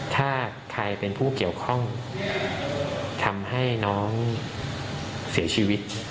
ถ้าใครเป็นผู้เกี่ยวข้องทำให้น้องเสียชีวิต